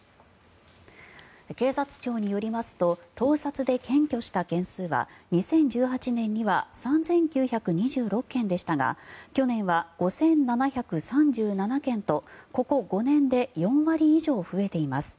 警察庁によりますと盗撮で検挙した件数は２０１８年には３９２６件でしたが去年は５７３７件と、ここ５年で４割以上増えています。